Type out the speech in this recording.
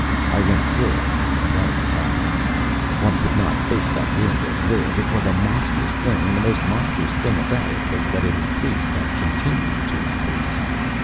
I went through it, and that is enough. One could not face that wind and live. It was a monstrous thing, and the most monstrous thing about it was that it increased and continued to increase.